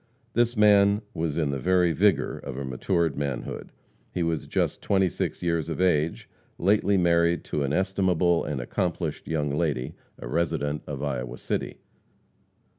This man was in the very vigor of a matured manhood. He was just twenty six years of age, lately married to an estimable and accomplished young lady, a resident of Iowa City.